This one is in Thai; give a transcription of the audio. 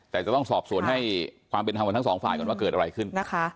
แต่จะต้องสอบสวนให้ความเป็นธรรมกับทั้งสองฝ่ายก่อนว่าเกิดอะไรขึ้นนะคะ